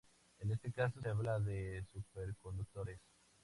En este caso se habla de superconductores.